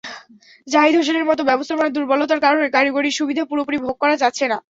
জাহিদ হোসেনের মতে, ব্যবস্থাপনায় দুর্বলতার কারণে কারিগরি-সুবিধা পুরোপুরি ভোগ করা যাচ্ছে না।